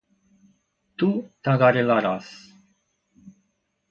Tú tagarelarás